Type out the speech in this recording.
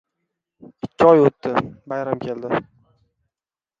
Ikki oy o'tdi. Bayram keldi.